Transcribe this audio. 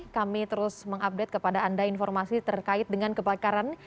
kami terus mengupdate kepada anda informasi terkait dengan kebakaran